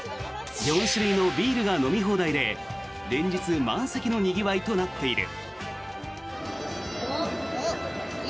４種類のビールが飲み放題で連日満席のにぎわいとなっている。